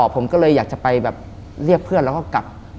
ผมก็เลยอยากจะไปแบบเรียกเพื่อนแล้วก็กลับ